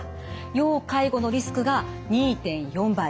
要介護のリスクが２．４倍。